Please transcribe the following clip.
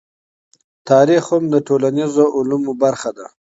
تاريخ هم د ټولنيزو علومو برخه ده.